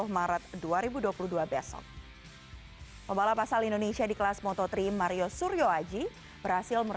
maret dua ribu dua puluh dua besok pembalap asal indonesia di kelas moto tiga mario suryo aji berhasil